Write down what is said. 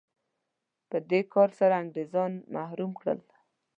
په دې کار سره انګرېزان محروم کړل.